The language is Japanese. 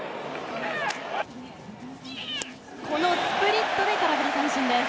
スプリットで空振り三振です。